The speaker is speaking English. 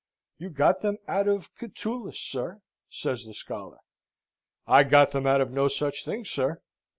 "You got them out of Catullus, sir," says the scholar. "I got them out of no such thing, sir.